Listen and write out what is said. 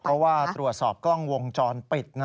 เพราะว่าตรวจสอบกล้องวงจรปิด